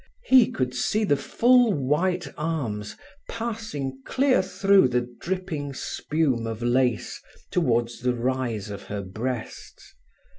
He could see the full white arms passing clear through the dripping spume of lace, towards the rise of her breasts.